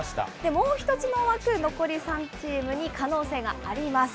もう１つの枠、残り３チームに可能性があります。